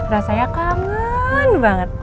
rasanya kangen banget